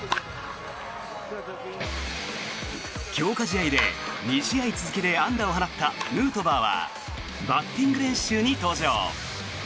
強化試合で２試合続けて安打を放ったヌートバーはバッティング練習に登場。